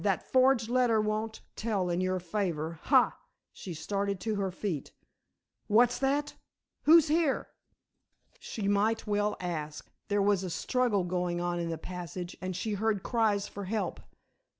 That forged letter won't tell in your favor. Ha!" she started to her feet. "What's that! Who's here?" She might well ask. There was a struggle going on in the passage, and she heard cries for help.